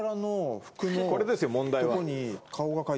これですよ問題は。